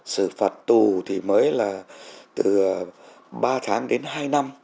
sự phạt tù thì mới là từ ba tháng đến hai năm